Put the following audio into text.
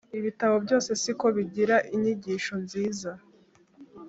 ibitabo byose si ko bigira inyigisho nziza